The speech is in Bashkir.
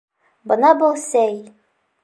Бына был сәй!